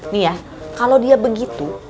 nih ya kalau dia begitu